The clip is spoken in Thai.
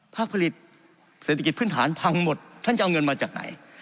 ผลิตเศรษฐกิจพื้นฐานพังหมดท่านจะเอาเงินมาจากไหน